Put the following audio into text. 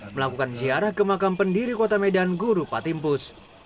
melakukan ziarah ke makam pendiri kota medan guru patimpus